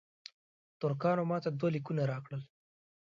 ترکانو ماته دوه لیکونه راکړل.